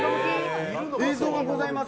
映像がございます。